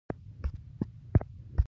زه د خپلو هڅو نتیجه خوښوم.